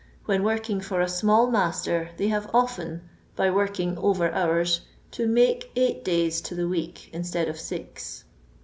When working for a small master they have often, by working over hours, to "make eight days to the week instead of liz."